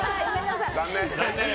残念。